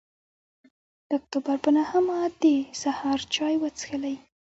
د اکتوبر پر نهمه د سهار چای وڅښلې.